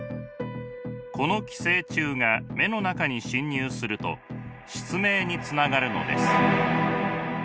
この寄生虫が目の中に侵入すると失明につながるのです。